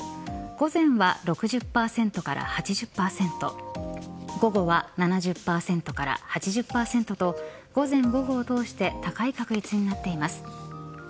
午前は６０％から８０％午後は７０％から８０％と午前、午後を通して高い確率になっています。